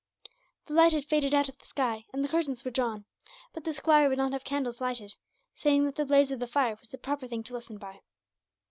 The light had faded out of the sky, and the curtains were drawn; but the squire would not have candles lighted, saying that the blaze of the fire was the proper thing to listen by.